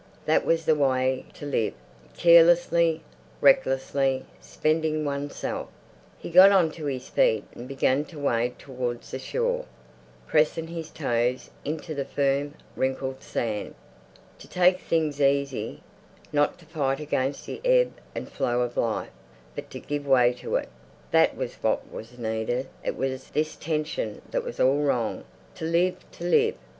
That was the way to live—carelessly, recklessly, spending oneself. He got on to his feet and began to wade towards the shore, pressing his toes into the firm, wrinkled sand. To take things easy, not to fight against the ebb and flow of life, but to give way to it—that was what was needed. It was this tension that was all wrong. To live—to live!